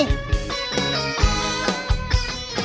yes berarti aman kita hari ini